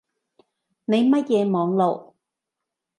你乜嘢網路